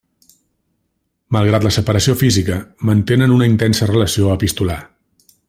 Malgrat la separació física, mantenen una intensa relació epistolar.